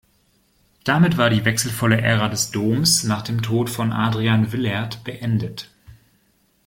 Damit war die wechselvolle Ära des Doms nach dem Tod von Adrian Willaert beendet.